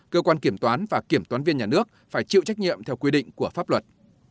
cơ quan kiểm toán và kiểm toán viên nhà nước phải chịu trách nhiệm theo quy định của pháp luật